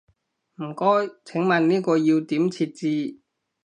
唔該，請問呢個要點設置？